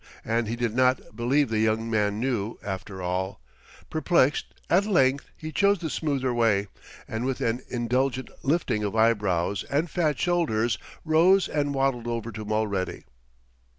And he did not believe the young man knew, after all ... Perplexed, at length he chose the smoother way, and with an indulgent lifting of eyebrows and fat shoulders, rose and waddled over to Mulready.